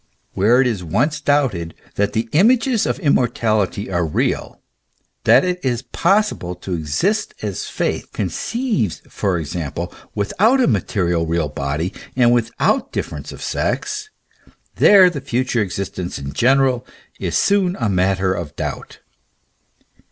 Where it is once doubted that the images of immortality are real, that it is possible to exist as faith conceives, for example, without a material, real body, and without difference of sex ; there the future exist ence in general, is soon a matter of doubt.